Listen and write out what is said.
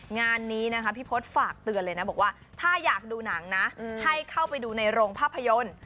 งานนี้นะคะพี่พศฝากเตือนเลยนะบอกว่าถ้าอยากดูหนังนะให้เข้าไปดูในโรงภาพยนตร์